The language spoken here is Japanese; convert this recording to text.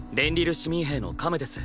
市民兵のカムです。